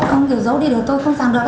ông kiểu giấu đi được tôi không rằm được